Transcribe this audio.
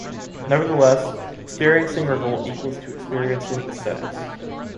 Nevertheless, experiencing revolt equals to experiencing ascetics.